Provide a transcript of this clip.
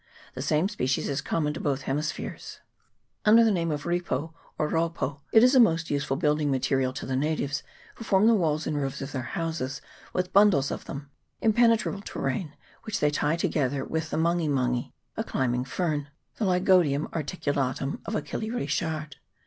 The same species is common to both hemi spheres. Under the name of repo, or raupo, it is a most useful building material to the natives, who form the walls and roofs of their houses with bundles of them, impenetrable to rain, which they tie together with the mangi mangi, a climbing fern, the Lygodium articulatum of Achille Richard.